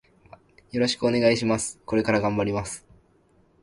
よろしくお願いします。これから頑張ります。